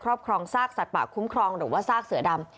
ครองซากสัตว์ป่าคุ้มครองหรือว่าซากเสือดำ